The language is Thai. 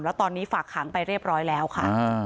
แล้วตอนนี้ฝากขังไปเรียบร้อยแล้วค่ะ